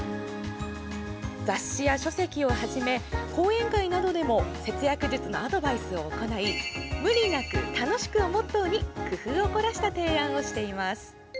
雑誌や書籍をはじめ講演会などでも節約術のアドバイスを行い無理なく、楽しくをモットーに工夫をこらした提案をしています。